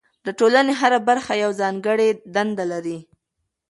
د ټولنې هره برخه یوه ځانګړې دنده لري.